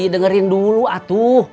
dengerin dulu atuh